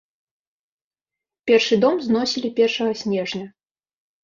Першы дом зносілі першага снежня.